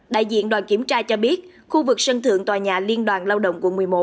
đại diện đoàn kiểm tra cho biết khu vực sân thượng tòa nhà liên đoàn lao động quận một mươi một